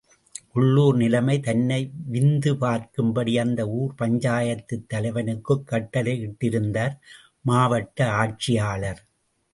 உள்ளுர் நிலைமை தன்னை விந்து பார்க்கும்படி அந்த ஊர் பஞ்சாயத்து தலைவனுக்குக் கட்டளையிட்டிருந்தார் மாவட்ட ஆட்சியாளர்.